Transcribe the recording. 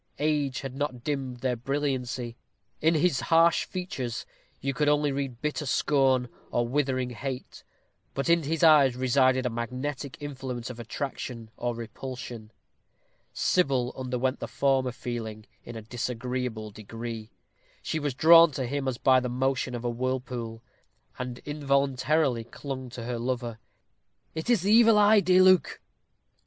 Age had not dimmed their brilliancy. In his harsh features you could only read bitter scorn or withering hate; but in his eyes resided a magnetic influence of attraction or repulsion. Sybil underwent the former feeling in a disagreeable degree. She was drawn to him as by the motion of a whirlpool, and involuntarily clung to her lover. "It is the Evil Eye, dear Luke."